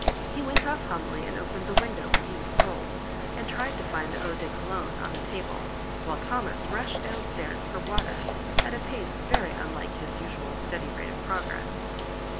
He went off humbly and opened the window when he was told, and tried to find the eau de cologne on the table; while Thomas rushed down stairs for water at a pace very unlike his usual steady rate of progress.